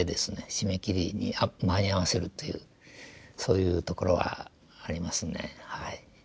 締め切りに間に合わせるというそういうところはありますね。